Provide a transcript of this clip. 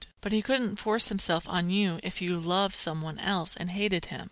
But he couldn't force himself on you if you loved someone else and hated him.